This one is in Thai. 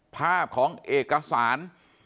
ภาพของเอกสาร